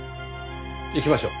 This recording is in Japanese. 行きましょう。